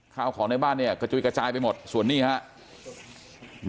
ข้าวของในบ้านเนี่ยกระจุยกระจายไปหมดส่วนนี้ครับ